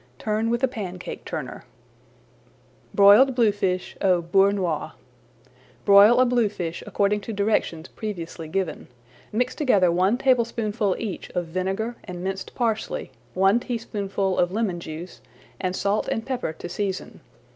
Turn with a pancake turner. [Page 74] BROILED BLUEFISH AU BEURRE NOIR Broil a bluefish according to directions previously given. Mix together one tablespoonful each of vinegar and minced parsley, one teaspoonful of lemon juice, and salt and pepper to season.